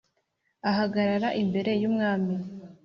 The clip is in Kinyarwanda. ahagarara imbere y’umwami.